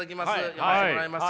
読ませてもらいます。